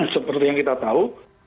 seperti yang kita tahu